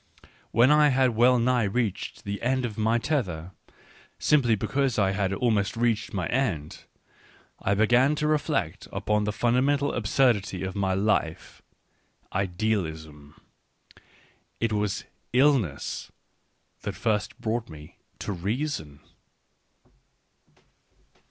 When I had well nigh reached the end of my tether, simply because I had almost reached my end, I began to reflect upon the fundamental absurdity of my life —" Idealism." It was illness that first brought me to reason.